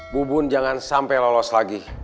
bubun jangan sampai lolos lagi